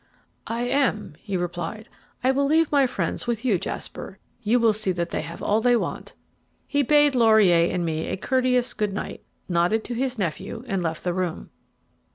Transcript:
"I am," he replied. "I will leave my friends with you, Jasper. You will see that they have all they want." He bade Laurier and me a courteous good night, nodded to his nephew, and left the room.